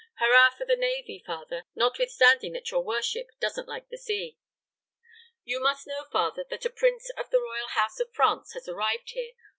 Hurrah for the navy, father, notwithstanding that your worship doesn't like the sea. "You must know, father, that a prince of the royal house of France has arrived here.